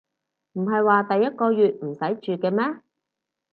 唔係話第一個月唔使住嘅咩